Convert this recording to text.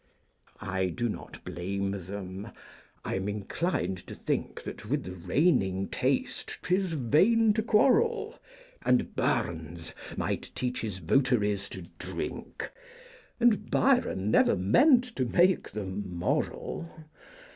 I do not blame them; I'm inclined to think That with the reigning taste 't is vain to quarrel, And Burns might teach his votaries to drink, And Byron never meant to make them moral.